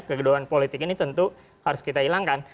kegaduhan politik ini tentu harus kita hilangkan